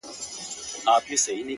ه ستا د سترگو احترام نه دی، نو څه دی،